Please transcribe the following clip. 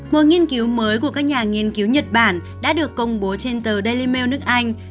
một nghiên cứu mới của các nhà nghiên cứu nhật bản đã được công bố trên tờ daily mail nước anh